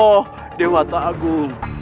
oh dewa ta'agung